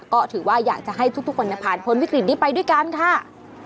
ก็ถือว่าอยากจะให้ทุกคนผ่านพ้นวิกฤตนี้ไปด้วยกันค่ะ